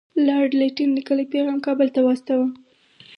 لارډ لیټن لیکلی پیغام کابل ته واستاوه.